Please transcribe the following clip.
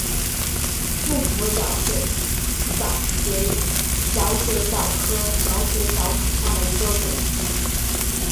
腹斧角水蚤为角水蚤科角水蚤属下的一个种。